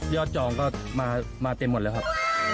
จองก็มาเต็มหมดแล้วครับ